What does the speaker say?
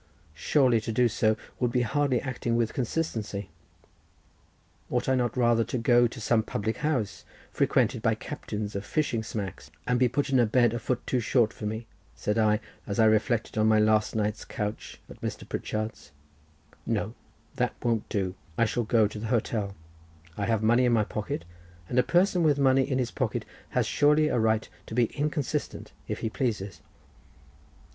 Surely to do so would be hardly acting with consistency. "Ought I not rather to go to some public house, frequented by captains of fishing smacks, and be put in a bed a foot too short for me," said I, as I reflected on my last night's couch at Mr. Pritchard's. "No, that won't do—I shall go to the hotel; I have money in my pocket, and a person with money in his pocket has surely a right to be inconsistent if he pleases."